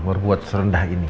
berbuat serendah ini